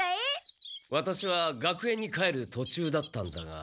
ワタシは学園に帰るとちゅうだったんだが。